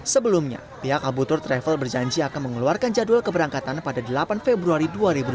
sebelumnya pihak abutur travel berjanji akan mengeluarkan jadwal keberangkatan pada delapan februari dua ribu dua puluh